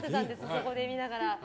そこで見ながら。